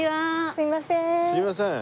すいません。